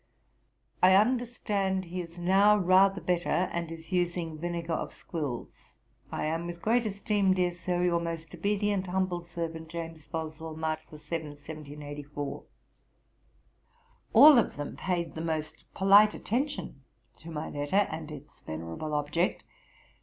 I understand he is now rather better, and is using vinegar of squills. I am, with great esteem, dear Sir, 'Your most obedient humble servant, 'JAMES BOSWELL.' 'March 7, 1784.' All of them paid the most polite attention to my letter, and its venerable object.